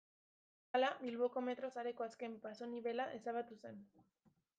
Hala, Bilboko metro sareko azken pasonibela ezabatu zen.